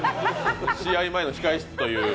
試合前の控え室という。